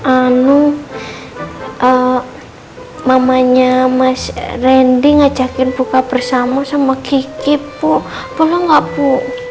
anu mamanya mas randy ngajakin buka bersama sama kiki bu tolong gak bu